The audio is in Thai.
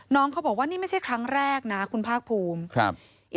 น้องเขาบอกว่านี่ไม่ใช่ครั้งแรกนะคุณภาคภูมิครับ